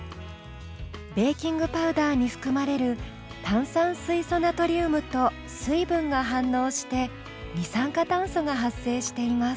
ベーキングパウダーに含まれる炭酸水素ナトリウムと水分が反応して二酸化炭素が発生しています。